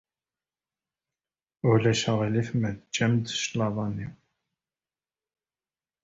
Ulac aɣilif ma tgamt-d cclaḍa-nni?